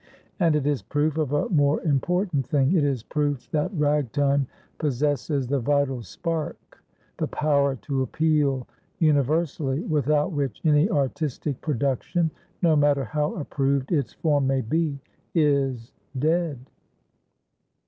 And it is proof of a more important thing, it is proof that Ragtime possesses the vital spark, the power to appeal universally, without which any artistic production, no matter how approved its form may be, is dead.